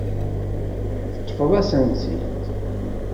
Teṭṭfeḍ-asen-tt-id.